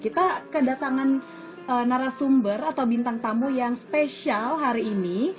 kita kedatangan narasumber atau bintang tamu yang spesial hari ini